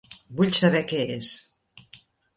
Vull saber què és.